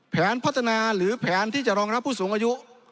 แผนพัฒนาหรือแผนที่จะรองรับผู้สูงอายุ